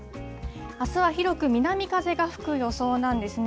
あすは広く南風が吹く予想なんですね。